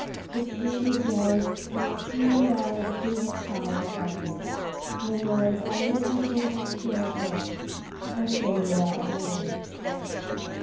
Its bloomy snows Cool even now the fevered sight that knows No more its airy visions of pure joy As when you were a boy.